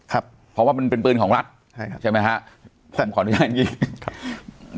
ครับเพราะว่ามันเป็นปืนของรัฐใช่ครับใช่ไหมฮะผมขออนุญาตอย่างงี้ครับ